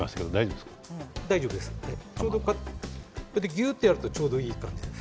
ぎゅうっとやるとちょうどいい感じです。